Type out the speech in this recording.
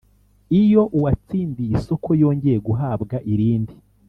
Iyo uwatsindiye isoko yongeye guhabwa irindi